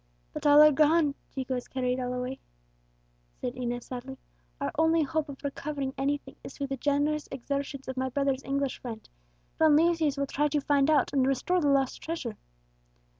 "But all are gone Chico has carried all away," said Inez sadly; "our only hope of recovering anything is through the generous exertions of my brother's English friend; Don Lucius will try to find out and restore the lost treasure."